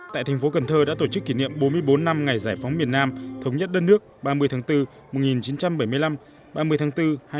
tại thành phố cần thơ đã tổ chức kỷ niệm bốn mươi bốn năm ngày giải phóng miền nam thống nhất đất nước ba mươi tháng bốn một nghìn chín trăm bảy mươi năm ba mươi tháng bốn hai nghìn hai mươi